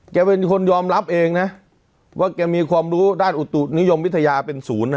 แกเป็นคนยอมรับเองนะว่าแกมีความรู้ด้านอุตุนิยมวิทยาเป็นศูนย์นะ